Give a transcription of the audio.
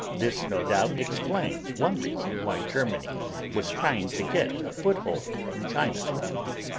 This no doubt explains one reason why Germany was trying to get a foothold in China.